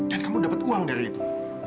dan kamu dapet uang dari itu